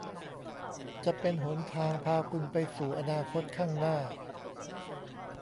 จะเป็นหนทางพาคุณไปสู่อนาคตข้างหน้า